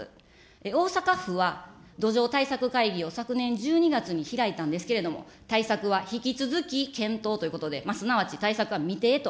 大阪府は、土壌対策会議を昨年１２月に開いたんですけれども、対策は引き続き検討ということで、すなわち対策は未定と。